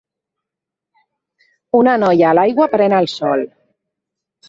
Una noia a l'aigua pren el sol